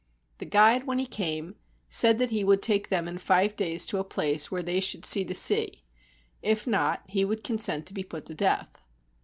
The guide, when he came, said that he would take them in five days to a place where they should see the sea; if not, he would consent to be put to death.